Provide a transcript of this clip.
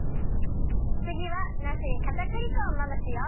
つぎはなすにかたくり粉をまぶすよ。